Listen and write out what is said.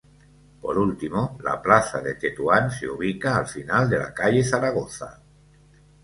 Por último, la Plaza de Tetuán, se ubica al final de la calle Zaragoza.